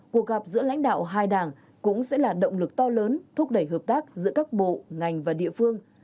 cuộc gặp giữa lãnh đạo hai đảng cũng sẽ là động lực to lớn thúc đẩy hợp tác giữa các bộ ngành và địa phương